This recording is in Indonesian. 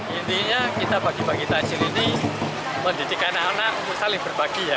intinya kita bagi bagi takjil ini mendidik anak anak saling berbagi ya